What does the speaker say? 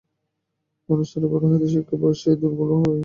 মানুষ ছেলেবেলা হইতে শিক্ষা পায় যে, সে দুর্বল ও পাপী।